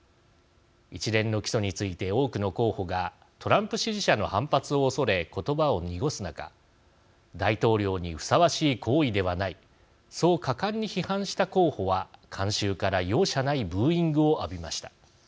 一連の起訴について多くの候補がトランプ支持者の反発を恐れ言葉を濁す中大統領にふさわしい行為ではないそう果敢に批判した候補は観衆から容赦ないブーイングを浴びました。